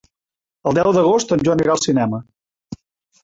El deu d'agost en Joan irà al cinema.